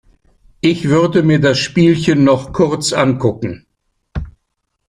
Ich würde mir das Spielchen noch kurz ankucken.